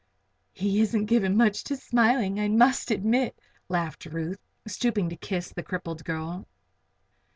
"He isn't given much to smiling, I must admit," laughed Ruth, stooping to kiss the crippled girl.